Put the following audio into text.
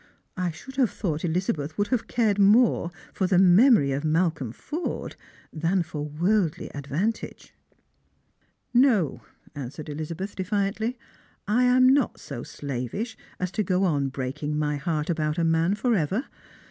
" I should have thought Elizabeth would have cared more for the memory of Malcolm Forde than for worldly advan tages." "No," answered Elizabeth defiantly, " I am not so slavish as to go on breaking my heart about a man for ever.